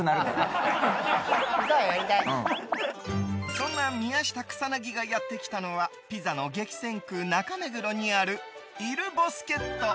そんな宮下草薙がやってきたのはピザの激戦区・中目黒にあるイルボスケット。